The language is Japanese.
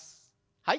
はい。